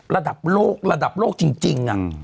ระดับโลกระดับโลกจริง